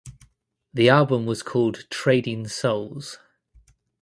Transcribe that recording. The album was called "Trading Souls".